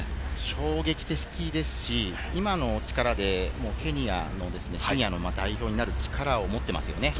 衝撃的ですし、今の力でシニアの代表になる力を持っていますよね。